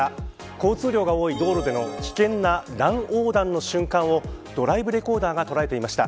交通量が多い道路での危険な乱横断の瞬間をドライブレコーダーが捉えていました。